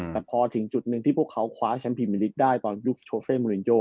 แต่พอถึงจุดหนึ่งที่พวกเขาคว้าแชมปิมิลิกได้ตอนยุคโชเฟ่มูลินโย